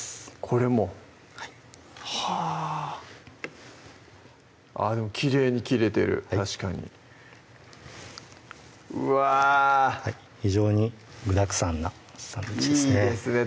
これもはぁでもきれいに切れてる確かにうわ非常に具だくさんなサンドイッチですねいいですね